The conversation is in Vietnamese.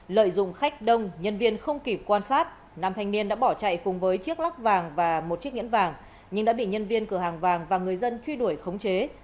lợi dụng khách đông nhân viên không kịp quan sát nam thanh niên đã bỏ chạy cùng với chiếc lắc vàng và một chiếc nhẫn vàng nhưng đã bị nhân viên cửa hàng vàng và người dân truy đuổi khống chế